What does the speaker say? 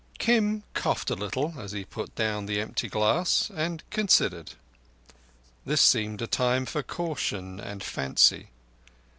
Kim coughed a little as he put down the empty glass, and considered. This seemed a time for caution and fancy.